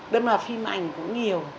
đâm vào phim ảnh cũng nhiều